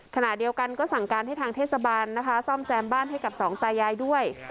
ขณะเดียวกันก็สั่งการให้ทางเทศบาลนะคะซ่อมแซมบ้านให้กับสองตายายด้วย